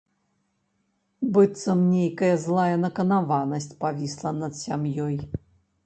Быццам нейкая злая наканаванасць павісла над сям'ёй.